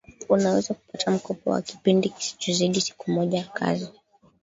unaweza kupata mkopo wa kipindi kisichozidi siku moja ya kazi